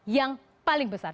yang paling besar